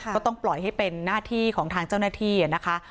ก็ต้องปล่อยให้เป็นหน้าที่ของทางเจ้าหน้าที่นะคะ